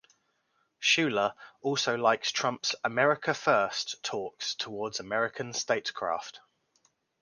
Scheuer also likes Trump's "America First" talk towards American statecraft.